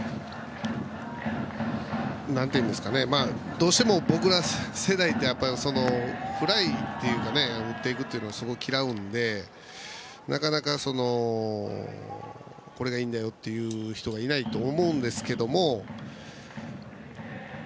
どうしても僕ら世代ってやっぱり、フライとかを打っていくというのをそこは嫌うので、なかなかこれでいいんだよという人はいないと思うんですけども。